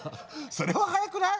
それは早くない？